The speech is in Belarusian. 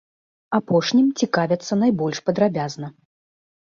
Апошнім цікавяцца найбольш падрабязна.